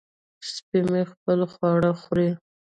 سپی مې خپل خواړه خوري.